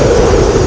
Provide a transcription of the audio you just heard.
itu udah gila